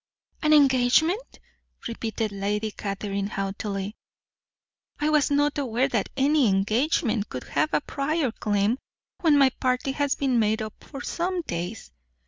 "An engagement!" repeated Lady Catherine haughtily. "I was not aware that any engagement could have a prior claim, when my party has been made up for some days.